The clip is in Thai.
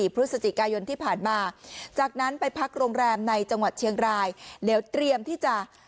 พฤศจิกายนที่ผ่านมาจากนั้นไปพักโรงแรมในจังหวัดเชียงรายเดี๋ยวเตรียมที่จะ